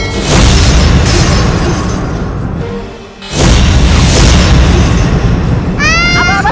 aku sudah punya rencana